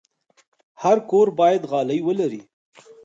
هر کور باید غالۍ ولري.